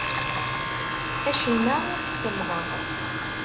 Acemma ur t-sellḍeɣ.